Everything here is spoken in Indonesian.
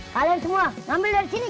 kalian semua ngambil dari sini